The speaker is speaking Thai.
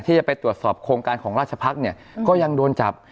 ที่จะไปตรวจสอบโครงการของราชพักษ์เนี่ยก็ยังโดนจับ